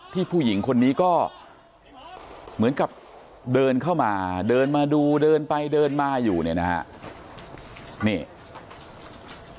ผู้หญิงคนนี้ก็เหมือนกับเดินเข้ามาเดินมาดูเดินไปเดินมาอยู่เนี่ยนะฮะ